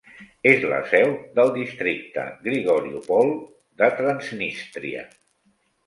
És la seu del districte Grigoriopol de Transnistria.